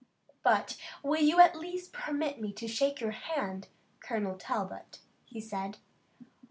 "But you will at least permit me to shake your hand, Colonel Talbot," he said.